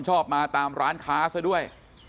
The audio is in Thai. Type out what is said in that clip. ชอบมาตามร้านค้าซะด้วย